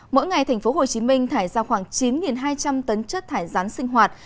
mỗi ngày thành phố hồ chí minh thải ra khoảng chín hai trăm linh tấn chất thải rán sinh hoạt